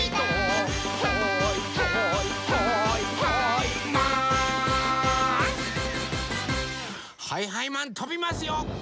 はいはいマンとびますよ！